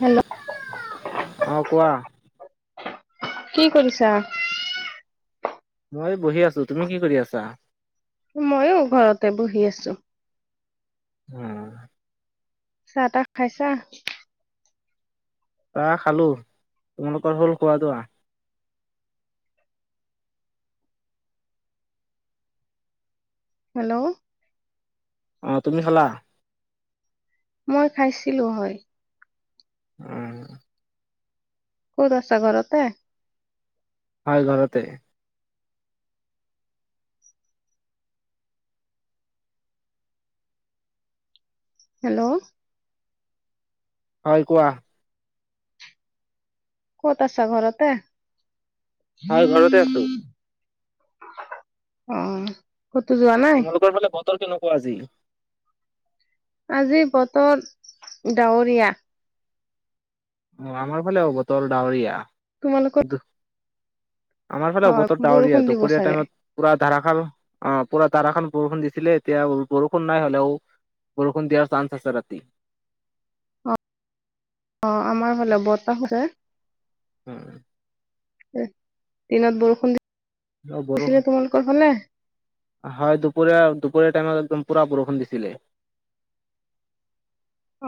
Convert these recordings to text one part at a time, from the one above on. Hello, অঁ কোৱা। কি কৰিছা? মই বহি আছো। তুমি কি কৰি আছা? মইয়ো ঘৰতে বহি আছো। উম। চাহ তাহ খাইছা? আহ খালো। তোমালোকৰ হ'ল খোৱা- বোৱা? হেল্ল', অ তুমি খালা? মই খাইছিলোঁ হয়। উম। ক'ত আছা ঘৰতে? হয় ঘৰতে। হেল্ল', হয় কোৱা ক'ত আ'ছ ঘৰতে? হয় ঘৰতে আছো। অ' কতো যোৱা নাই? তৰ কেনেকুৱা আজি? আজি বতৰ ডাৱৰীয়া। অ আমাৰ ফালেও বতৰ ডাৱৰীয়া। তোমালোকৰ দু আমাৰ ফালেও হয় বতৰ বৰষুণ ডাৱৰীয়া দিব দুপৰীয়া চাগে। টাইমত পুৰা ধাৰাশাৰ অ পুৰা ধাৰাসাৰ বৰষুণ দিছিলে এতিয়া বৰষুণ নাই হ'লেও বৰষুণ দিয়াৰ চান্স আছে ৰাতি। অ অ আমাৰ ফালে বতাহো যে উম দিনত বৰষুণ বৰষুণ দিছিলে তোমালোকৰ ফালে? হয় দুপৰীয়া, দুপৰীয়া টাইমত একদম পুৰা বৰষুণ দিছিলে।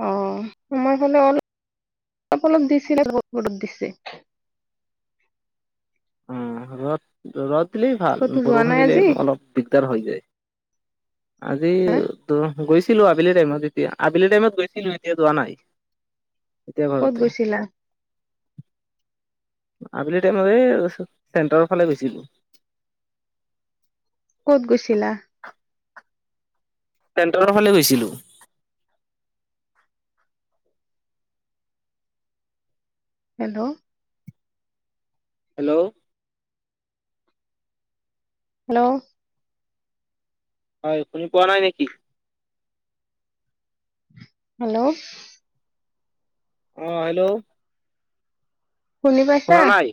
অ আমৰ ফালে অলপ অলপ দিছিলে উম ৰ'দ, ৰ'দ দিলেই ভাল ক'তো যোৱা বৰষুণ নাই দিলে আজি? অলপ দিগদাৰ হৈ যায়। আজি হা ত গৈছ ছিলো আবেলি টাইমত এতিয়া আবেলি টাইমত গৈছিলো এতিয়া যোৱা নাই। এতিয়া ক'ত ঘৰতে গৈছিলা? আবেলি টাইম এই চেণ্টাৰৰ ফালে গৈছিলোঁ। ক'ত গৈছিলা? চেণ্টাৰৰ ফালে গৈছিলোঁ। হেল্ল'! হেল্ল'! হেল্ল'! হয় শুনি পোৱা নাই নেকি? হেল্ল' অ হেল্ল' শুনি পাইছা? শুনা নাই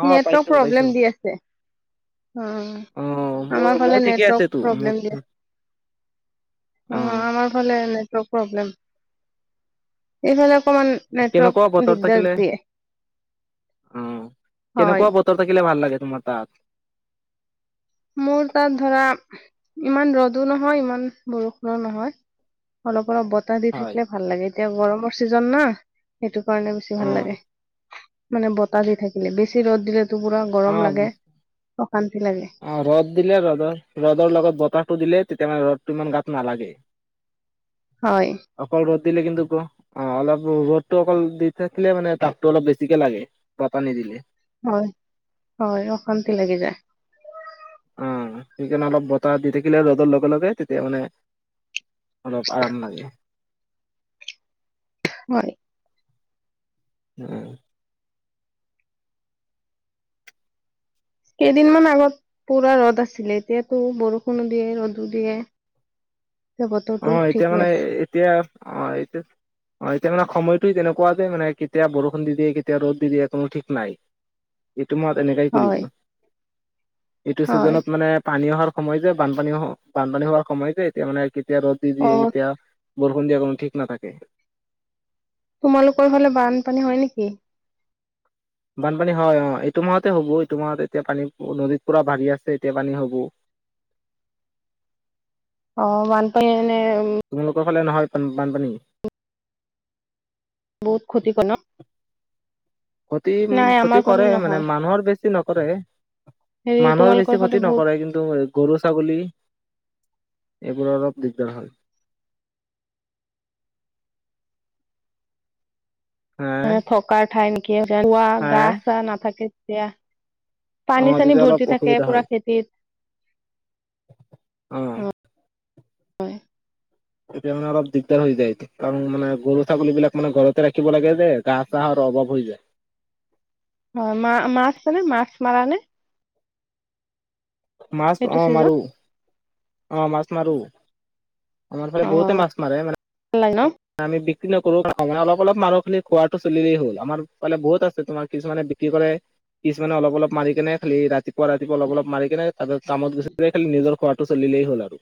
অ' নেটৱৰ্ক পাইছো পাইছো প্ৰব্লেম দি আছে। অ' অহ মোৰ আমাৰ মোৰ ফালে ঠিকে নেটৱৰ্ক আছেতো মোৰ প্ৰব্লেম দিয়ে। অ আমাৰ ফালে নেটৱৰ্ক প্ৰব্লেম। এইফালে অকমান নেটৱৰ্ক দিগদাৰ দিয়ে। উম হয় কেনেকুৱা বতৰ থাকিলে ভাল লাগে তোমাৰ তাত? মোৰ তাত ধৰা ইমান ৰ'দো নহয় ইমান বৰষুণো নহয়। অলপ অলপ বতাহ দি হয় থাকিলে ভাল লাগে, এতিয়া গৰমৰ ছিজন না সেইটো। কাৰনে বেছি ভাল লাগে। অ' মানে বতাহ দি থাকিলে, বেছি ৰ'দ দিলে তো পুৰা গৰম অ' লাগে অশান্তি লাগে। অ ৰ'দ দিলে ৰ'দৰ, ৰ'দৰ লগত বতাহটো দিলে তেতিয়া মানে ৰ'দটো ইমান গাত নালাগে। হয়। অকল ৰ'দ দিলে কিন্তু ক অ অলপ ৰ'দটো অকল দি থাকিলে মানে তাপটো অলপ বেছিকে লাগে বতাহ নিদিলে। হয় হয় অশান্তি লাগি যায়। আহ সেইকাৰণে অলপ বতাহ দি থাকিলে ৰ'দৰ লগে লগে তেতিয়া মানে অলপ আৰাম লাগে। [unintelligible] উম। কেইদিনমান আগত পুৰা ৰ'দ আছিলে এতিয়াতো বৰষুণো দিয়ে ৰ'দো দিয়ে। [inaudible] অ এতিয়া ঠিকে মানে আছে এতিয়া অ এতিয়া অ এতিয়া মানে সময়ত তেনেকুৱা যে মানে কেতিয়া বৰষুণ দি দিয়ে কেতিয়া ৰ'দ দি দিয়ে কোনো ঠিক নাই। তোমাক এনেকাই কৰিব। হয় এইটো হয় ছিজনত মানে পানী অহাৰ সময় যে বানপানী বানপানী হোৱাৰ সময় যে এতিয়া মানে কি এতিয়া ৰ'দ দি অ দিয়ে এতিয়া বৰষুণ দিয়া কোনো ঠিক নাথাকে। তোমালোকৰ ফালে বানপানী হয় নেকি? বানপানী হয় অ, এইটো মাহতে হ'ব এইটো মাহত এতিয়া পানী নদীত পুৰা বাঢ়ি আছে এতিয়া পানী হ'ব। অ বানপানী এনে উম্ হয় নে নহয় বান বানপানী? বহুত ক্ষতি কয় ন? ক্ষতি উ নাই ক্ষতি আমাৰ ফালে কৰে মানে নহয় মানুহৰ বেছি নকৰে হেৰি মানুহৰ তোমালোকৰ বেছি ফালে ক্ষতি বহুত নকৰে, কিন্তু গৰু ছাগলী এইবোৰ অলপ দিগদাৰ হয়। হা মানে থকাৰ ঠাই নেকি গা হা গা চাহ নাথাকে তেতিয়া অ পানী চানী তেতিয়া অলপ ভৰ্তি থাকে পুৰা খেতিত আহ। হয়। তেতিয়া মানে অলপ দিগদাৰ হৈ যায়। কাৰণ মানে গৰু ছাগলী বিলাক মানে ঘৰতে ৰাখিব লাগে যে ঘাঁহ চাহৰ অভাৱ হৈ যায়। হয় মা মাছ মানে মাছ মাৰা নে? মাছ অ সেইটো মাৰো চিজন আহ মাছ মাৰো। আমাৰ ফালে অ বহুতে মাছ ভাল মাৰে মানে লাগে ন আমি বিক্ৰী নকৰো অলপ অলপ মানুহখিনি খোৱাটো চিলেই হ'ল, আমাৰ ফালে বহুত আছে তোমাৰ কিছুমানে বিক্ৰী কৰে কিচোমানে অলপ অলপ মাৰি কেনে খালি ৰাতি পুৱা ৰাতিপুৱা অলপ অলপ মাৰি কেনে ত কামত গুচিই খালি নিজৰ খোৱাটো চলিলেই হ'ল আৰু।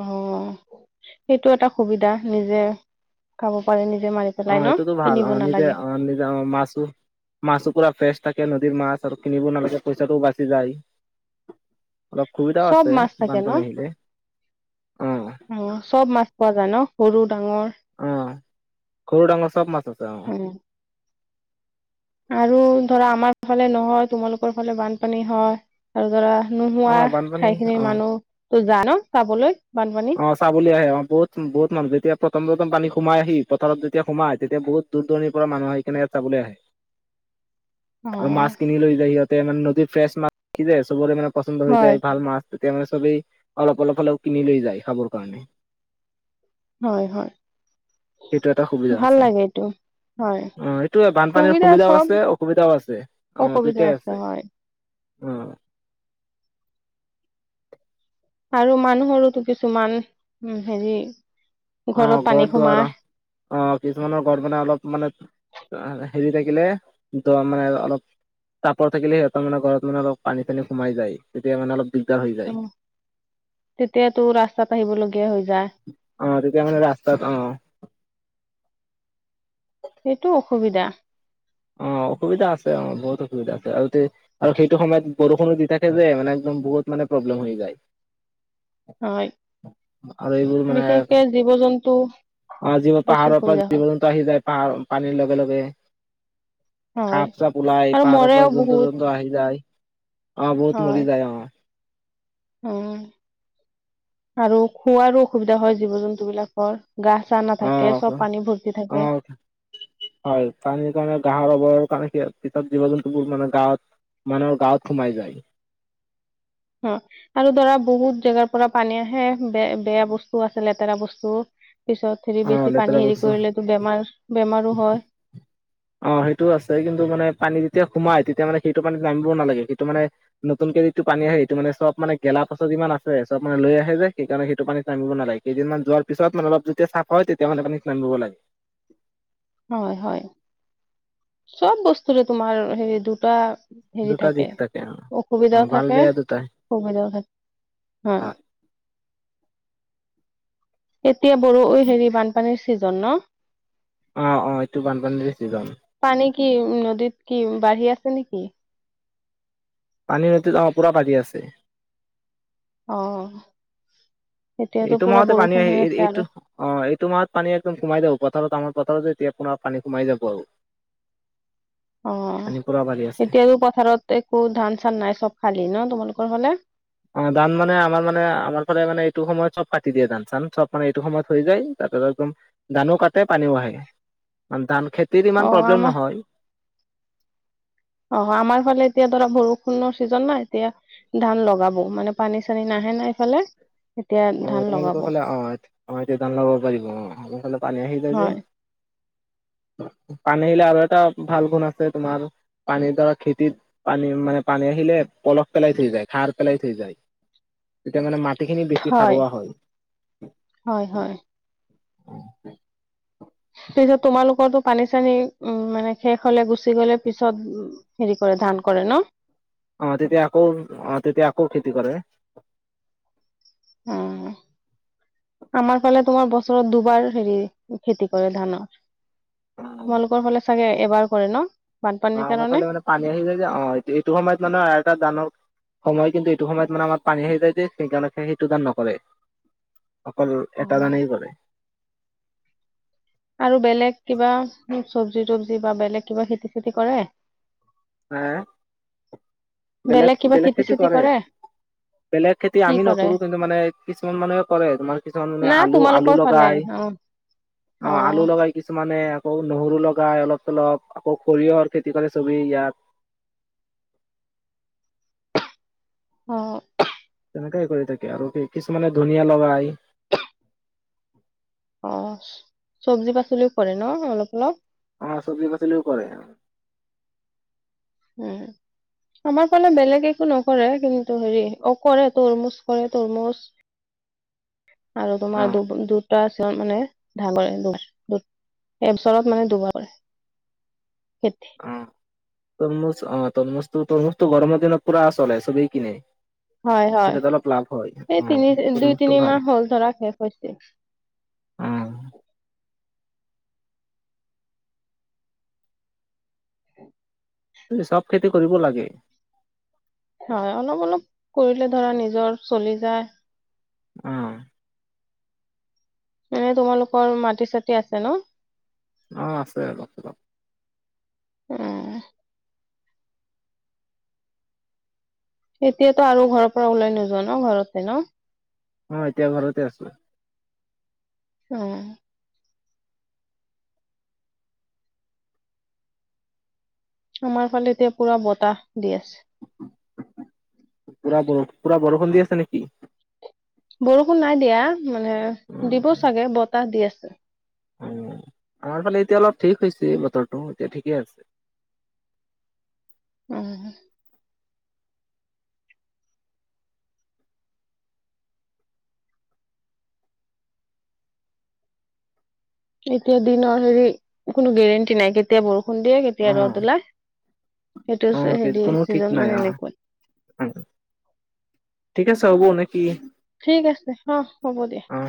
অ সেইটো এটা সুবিধা, নিজে খাব পাৰে নি অ এইটোতো ভাল অ নিজে অ নিজে অ মাছ মাছো পুৰা ফ্ৰেচ। তাকে নদীৰ মাছ আৰু কিনিব নালাগে পইচাটোও বাচি যায়। অলপ সুবিধাও চব আছে মাছ থাকে বানপানী ন আহিলে অ। চব মাছ পোৱা যায় ন? সৰু ডাঙৰ আহ ঘৰু ডাঙৰ চব মাছ আছে আহ উম আৰু ধৰা আমাৰ ফালে নহয় তোমালোকৰ ফালে বানপানী হয় আৰু ধৰা অ নোহোৱা বানপানী ঠাই খিনিৰ অ মানুহ তো যা ন চাবলৈ বানপানী অ চাবলৈ আহে আহ বহুত বহুত মানুহ যেতিয়া প্ৰথম প্ৰথম পানী সোমাই আহি পথাৰত যেতিয়া সোমায় তেতিয়া বহুত দূৰ দূৰণিৰ পৰা মানুহ আহি কেনেকৈ চাবলৈ আহে অ আৰু মাছ কিনি লৈ যায় সিহঁতে মানে নদীৰ ফ্ৰেছ মাছ যায় চবৰে মানে পচন্দ হৈ হয় যায় ভাল মাছ তেতিয়া মানে চবেই অলপ অলপ হলেও কিনি লৈ যায় খাবৰ কাৰণে হয় হয় সেইটো এটা সুবিধা ভাল আছে। লাগে এইটো হয় অ এইটোয়ে বানপানীৰ সুবিধা সুবিধাও চব আছে অসুবিধাও আছে অ দুটাই আছে। [unintelligible] অ আৰু মানুহৰো কিছুমান উ হেৰি অ ঘৰত পানী গৰ দাৰ সোমাই অ কিছুমানৰ গৰ মানে অলপ মানে হেৰি থাকিলে মানে অলপ তাপৰ থাকিলে সিহঁতৰ মানে ঘৰতনে অলপ পানী চানী সোমাই যায় তেতিয়া মানে অলপ দিগদাৰ হৈ যায় উ তেতিয়া তো ৰাস্তাত আহিব লগিব অ তেতিয়া মানে ৰাস্তাত অ সেইটো অসুবিধা অ অসুবিধা আছে অ বহুত অসুবিধা আছে আৰু আৰু সেইটো সময়ত বৰষুণো দি থাকে যে মানে একদম বহুত মানে। প্ৰব্লেম হৈ যায়। হয়, বিশেষকে জীৱ জন্তু অৱ, যিৱোৰ পাহাৰৰ পৰা জীৱ জন্তু আহি যায় পাহাৰ পানীৰ লগে লগে হয়। সাপ চাপ ওলাই আৰু পাহাৰৰ মৰেও পৰা জন্তু বহুত, জন্তু আহি যায়। অৱ বহুত হয়, মৰি যায় অৱ উম আৰু খোৱাৰো অসুবিধা হয় জীৱ জন্তু বিলাকৰ গা-চা নাথাকে অৱ চব পানী ভৰ্তি থাকে। অৱ হয়, পানীৰ কাৰণে গাহৰব জীৱ জন্তুবোৰ মানে গাঁৱত মানুহৰ গাঁৱত সোমাই যায়। অ আৰু ধৰা বহুত জেগাৰ পৰা পানী আহে বে বেয়া বস্তু আছে লেতেৰা বস্তু পিছত হেৰি অ', বেছি লেতেৰা পানী হেৰি বস্তু কৰিলেতো বেমাৰ বেমাৰো হয় অ সেইটোও আছে কিন্তু মানে পানী যেতিয়া সোমাই তেতিয়া মানে সেইটো পানীত নামিবও নালাগে সেইটো মানে নতুন যিটো পানী আহে সেটো মানে চব মানে গেলা পচা যিমান আছে চব মানে লৈ আহে যে সেইকাৰণে সেইটো পানী নামিব নালাগে কেইদিনমান যোৱাৰ পিছত মানে অলপ যেতিয়া চাফা হয় তেতিয়া মানে পানীত নামিব লাগে। হয় হয়। চব বস্তুৰে তোমাৰ হেৰী দুটা হেৰি দুটা থাকে দিশ অ অ অসুবিধাও ভাল থাকে বেয়া দুটাই সুবিধাও থাকে। হয়। এতিয়া বৰো হেৰি বানপানীৰ ছিজন ন অৱ অৱ এইটো বানপানীৰৰে ছিজন। পানী কি নদীত কি বাঢ়ি আছে নেকি? পানী নদীত অৱ পুৰা বাঢ়ি আছে। অৱ। এইটো মাহতে পানী আহি এই এইটো অৱ এইটো মাহত পানী একদম সোমাই যাৱ পথাৰত আমাৰ পথাৰ যে এতিয়া আপোনাৰ পানী সোমাই যাব আৰু অৱ পানী পুৰা বাঢ়ি আছে এতিয়ো পথাৰত একো ধান চান নাই চব খালি ন তোমালোক ক হলে অ দান মানে আমাৰ মানে আমাৰ ফালে মানে এইটো সময়ত চব পাতি দিয়ে ধান চান চব মানে এইটো সময়ত হৈ যায় একদম ধানো কাটে পানীও আহে। ধান খেতিৰ অ ইমান প্ৰব্লেম আমাৰ নহয়। অ আমাৰ ফালে এতিয়া ধৰা বৰষুণৰ ছিজন নাই এতিয়া ধান লগাব মানে পানী চানী নাহে নাই এইফালে এতিয়া অ ধান লগাব তোমালোকৰ ফালে অৱ এতিয়া ধান লগাৱ পাৰিব অৱ আমাৰ ফালে পানী আহি যায় যে হয় [unintelligible] পানী আহিলে আৰু এটা ভাল গুণ আছে তোমাৰ। পানীৰ ধৰক খেতিত পানী মানে পানী আহিলে পলস পেলাই থৈ যায়, সাৰ পেলাই থৈ যায়। তেতিয়া মানে মাটিখিনি বেছি খাৰুৱা হয়। হয় হয় তাৰ পিছত তোমালোকৰটো পানী চানী উম মানে শেষ হলে গুচি গলে পিছত উ হেৰি কৰে ধান কৰে। [unintelligible] ন অৱ তেতিয়া আকৌ অৱ তেতিয়া আকৌ খেতি কৰে। উম। আমাৰ ফালে তোমাৰ বছৰত দুবাৰ হেৰি খেতি কৰে ধানৰ। অ তোমালোকৰ ফালে চাগে এবাৰ কৰে ন। অৱ বানপানীৰ আমাৰ কাৰণে ফালে মানে পানী আহি যায় যে অৱ এইটো সময়ত মানে এটা দানৱ সময় কিন্তু এইটো সময়ত মানে আমাৰ পানী আহি যায় যে সেইকাৰণে সেই সেইটো ধান নকৰে। অকল এটা ধানেই কৰে। আৰু বেলেগ কিবা চব্জি তবজি বা বেলেগ কিবা খেতি চেতি কৰে। [unintelligible] হে বেলেগ বেলেগ খেতি কৰে। বেলেগ খেতি কি আমি কৰে নকৰো কিন্তু মানে কিছুমান মানুহে কৰে, তোমাৰ কিছুমান মানুহে আলু -আলু লগাই। অৱ। অ আলু লগাই কিছুমানে। আকৌ নহৰু লগাই অলপ চ লপ আকৌ সৰিয়হৰ খেতি কৰে চবেই ইয়াত অ সনেকে কৰি থাকে আৰু কি কিছুমানে ধনীয়া লগাই অ চব্জি পাচলিও কৰে ন অলপ অলপ অ চব্জি পাচলিও কৰে। উম। আমাৰ ফালে বেলেগ একো নকৰে কিন্তু হেৰি অ কৰে তৰমুজ কৰে তৰমুজ। আৰু অ তোমাৰ দু দুটা আছিল মানে ধাগৰে এবছৰত মানে দুবাৰ কৰে খেতি অ তৰমুজ অ তৰমুজ তৰমুজটো গৰমৰ দিনত পুৰা চলে চবেই কিনে। হয় হয় তেতিয়া অলপ লাভ হয় সেই অ তিনি দুই তৰমুজটো তিনি ভাল মাহ হল ধৰা শেষ হৈছে। অ [unintelligible] ত চব খেতি কৰিব লাগে। হয় অলপ অলপ কৰিলে ধৰা নিজৰ চলি যায়। আহ। এনে তোমালোকৰ মাটি চাটি আছে ন? অ আছে অলপ চলপ। উম এতিয়াতো আৰু ঘৰৰ পৰা ওলাই নোযোৱা ন ঘৰতে ন? অ এতিয়া ঘৰতে আছো। অ। আমাৰ ফালে এতিয়া পুৰা বতাহ দি আছে। পুৰা পুৰা বৰষুণ দি আছে নেকি? বৰষুণ নাই দিয়া মানে উ দিব চাগে বতাহ দি আছে। উ আমাৰ ফালে এতিয়া অলপ ঠিক হৈছে বতৰটো এতিয়া ঠিকে আছে। উম। এতিয়া দিনৰ হেৰি কোনো গেৰেণ্টি নাই কেতিয়া বৰষুণ দিয়ে কেতিয়া অ ৰ'দ ওলায়। সেইটো অ হেৰি কোনো ঠিক ছিজন নাই মান অ এনেকুৱাই। ঠিক আছে। হ'ব নেকি ঠিক আছে অ হ'ব দিয়া। অ